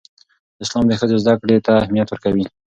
اسلام د ښځو زدهکړې ته اهمیت ورکوي.